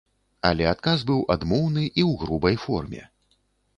Але адказ быў адмоўны і ў грубай форме.